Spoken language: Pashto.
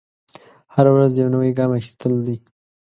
هره ورځ یو نوی ګام اخیستل دی.